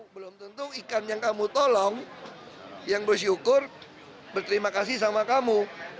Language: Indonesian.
belum tentu ikan yang kamu tolong yang bersyukur berterima kasih sama kamu